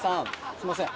すいません。